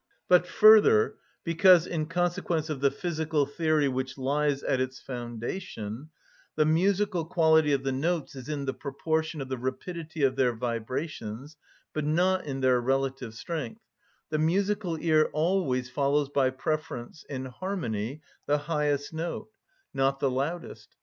But, further, because, in consequence of the physical theory which lies at its foundation, the musical quality of the notes is in the proportion of the rapidity of their vibrations, but not in their relative strength, the musical ear always follows by preference, in harmony, the highest note, not the loudest.